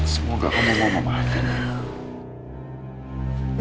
semoga kamu mau memahaminya